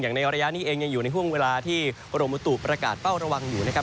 ในระยะนี้เองยังอยู่ในห่วงเวลาที่กรมบุตุประกาศเป้าระวังอยู่นะครับ